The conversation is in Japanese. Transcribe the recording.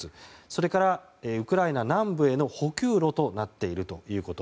それからウクライナ南部への補給路となっているということ。